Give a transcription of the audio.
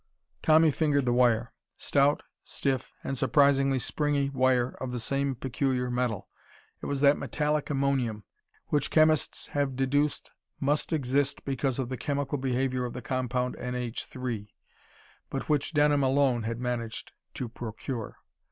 Tommy fingered the wire. Stout, stiff, and surprisingly springy wire of the same peculiar metal. It was that metallic ammonium which chemists have deduced must exist because of the chemical behavior of the compound NH3, but which Denham alone had managed to procure.